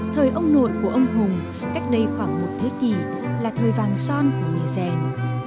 thời ông nội của ông hùng cách đây khoảng một thế kỷ là thời vàng son của nghề rèn